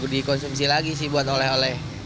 dikonsumsi lagi sih buat oleh oleh